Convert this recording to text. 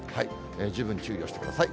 十分に注意をしてください。